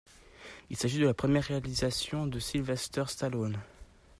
Il s'agit de la première réalisation de Sylvester Stallone.